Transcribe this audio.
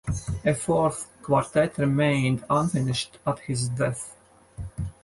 A fourth quartet remained unfinished at his death.